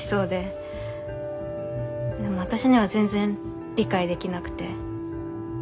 でも私には全然理解できなくて。